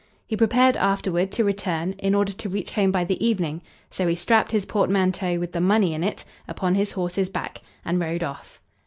He prepared afterward to return, in order to reach home by the evening, so he strapped his portmanteau, with the money in it, upon his horse's back, and rode off.